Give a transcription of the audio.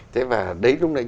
thế và đấy lúc nãy